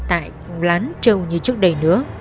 tại lán châu như trước đây